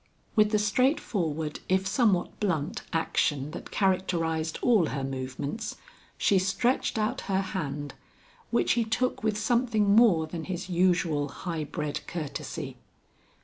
With the straightforward if somewhat blunt action that characterized all her movements, she stretched out her hand, which he took with something more than his usual high bred courtesy.